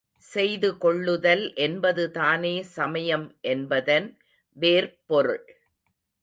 செய்து கொள்ளுதல் என்பதுதானே சமயம் என்பதன் வேர்ப்பொருள்.